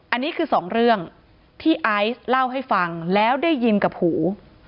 อันนี้คือสองเรื่องที่ไอซ์เล่าให้ฟังแล้วได้ยินกับหู